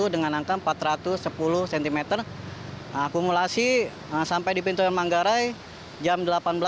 dengan angka empat ratus sepuluh cm akumulasi sampai di pintu air manggarai jam delapan belas